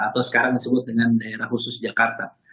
atau sekarang disebut dengan daerah khusus jakarta